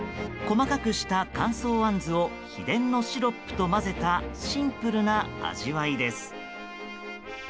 細かくした乾燥あんずを秘伝のシロップと混ぜたシンプルな味わいです。